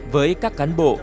với các cán bộ